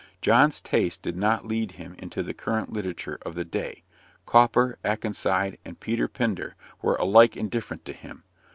John's taste did not lead him into the current literature of the day: Cowper, Akenside, and Peter Pindar were alike indifferent to him.